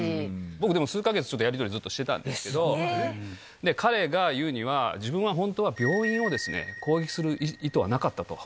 僕でも、数か月、ずっとやり取りしてたんですけど、で、彼が言うには、自分は本当は病院を攻撃する意図はなかったと。